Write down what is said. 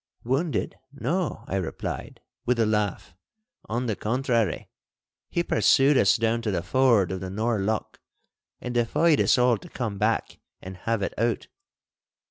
'Wounded? No,' I replied, with a laugh; 'on the contrary, he pursued us down to the ford of the Nor' Loch, and defied us all to come back and have it out.